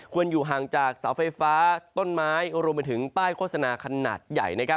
อยู่ห่างจากเสาไฟฟ้าต้นไม้รวมไปถึงป้ายโฆษณาขนาดใหญ่